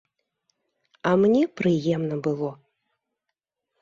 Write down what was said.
А мне прыемна было.